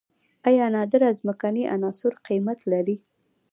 آیا نادره ځمکنۍ عناصر قیمت لري؟